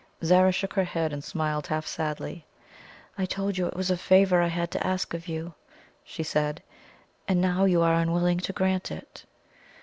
Zara shook her head and smiled half sadly. "I told you it was a favour I had to ask of you," she said; "and now you are unwilling to grant it."